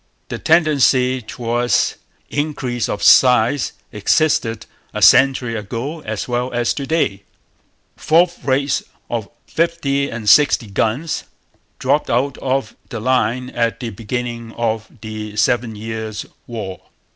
The tendency towards increase of size existed a century ago as well as to day. 'Fourth rates,' of 50 and 60 guns, dropped out of the line at the beginning of the Seven Years' War.